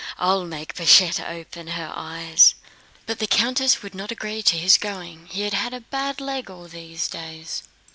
I'll make Pashette open her eyes." But the countess would not agree to his going; he had had a bad leg all these last days.